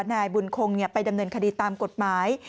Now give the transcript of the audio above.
นายบุญคงไปดำเนินคดีตามกฎหมาย